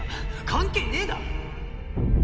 関係ねえだろ！